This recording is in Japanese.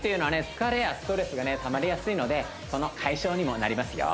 疲れやストレスがたまりやすいのでその解消にもなりますよ